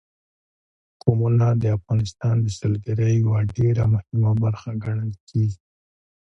قومونه د افغانستان د سیلګرۍ یوه ډېره مهمه برخه ګڼل کېږي.